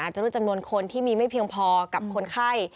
จะด้วยจำนวนคนที่มีไม่เพียงพอกับคนไข้